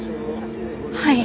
はい。